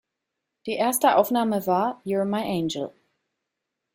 Die erste Aufnahme war "You're My Angel".